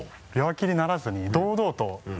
弱気にならずに堂々と。